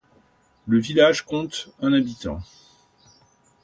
Le village compte un habitant.